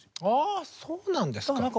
ああそうなんですか。